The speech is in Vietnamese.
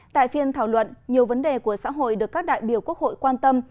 tại phiên thảo luận nhiều vấn đề của xã hội được các đại biểu quốc hội quan tâm